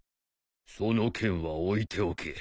その件は置いておけ。